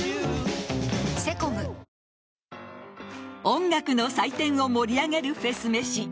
音楽の祭典を盛り上げるフェスめし。